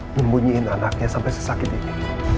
membunyiin anaknya sampai sesakit ini